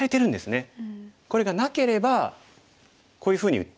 これがなければこういうふうに打って。